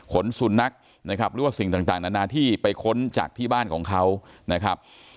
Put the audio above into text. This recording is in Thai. สุนัขนะครับหรือว่าสิ่งต่างนานาที่ไปค้นจากที่บ้านของเขานะครับ